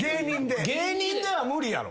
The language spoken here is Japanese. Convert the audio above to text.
芸人では無理やろ。